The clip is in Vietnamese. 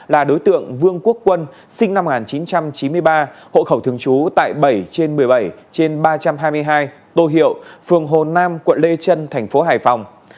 là đối tượng vương quốc quân sinh năm một nghìn chín trăm chín mươi ba hộ khẩu thường trú tại bảy trên một mươi bảy trên ba trăm hai mươi hai tô hiệu phường hồ nam quận lê trân thành phố hải phòng